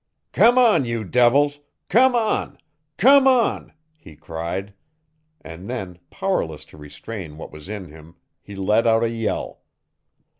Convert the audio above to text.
"Come on, you devils! Come on, come on," he cried. And then, powerless to restrain what was in him, he let out a yell.